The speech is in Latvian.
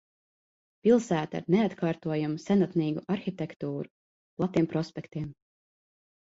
Pilsēta ar neatkārtojamu senatnīgu arhitektūru, platiem prospektiem.